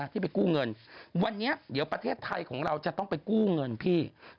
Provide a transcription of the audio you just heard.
ที่ไปกู้เงินวันนี้เดี๋ยวประเทศไทยของเราจะต้องไปกู้เงินพี่